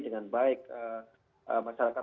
dengan baik masyarakat